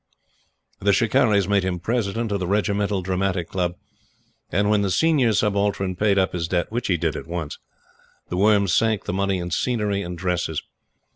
The "Shikarris" made him President of the Regimental Dramatic Club; and, when the Senior Subaltern paid up his debt, which he did at once, The Worm sank the money in scenery and dresses.